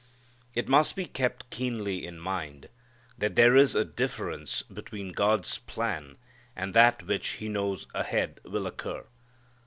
It must be kept keenly in mind that there is a difference between God's plan and that which He knows ahead will occur.